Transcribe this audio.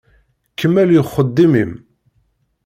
Kemmel i uxeddim-im.